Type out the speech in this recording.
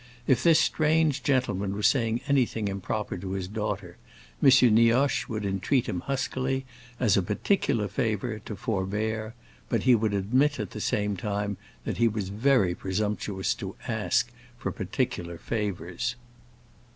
If this strange gentleman was saying anything improper to his daughter, M. Nioche would entreat him huskily, as a particular favor, to forbear; but he would admit at the same time that he was very presumptuous to ask for particular favors.